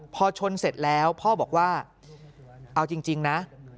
พอชนเสร็จแล้วพ่อบอกว่าเอาจริงนะ